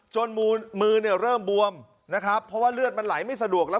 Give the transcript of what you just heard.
มือเนี่ยเริ่มบวมนะครับเพราะว่าเลือดมันไหลไม่สะดวกแล้ว